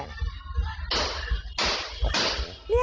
นี่